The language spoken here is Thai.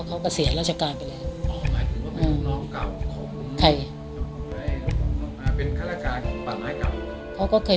เขาก็เสียราชการไปเลย